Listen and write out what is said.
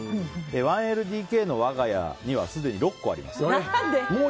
１ＬＤＫの我が家にはすでに６個あります。